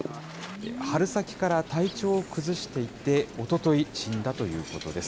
春先から体調を崩していて、おととい、死んだということです。